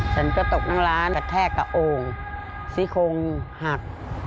ฉันก็ตกนั่งร้านกระแทกกับโอ่งซี่โคงหัก